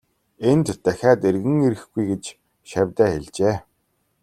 Энд дахиад эргэн ирэхгүй гэж шавьдаа хэлжээ.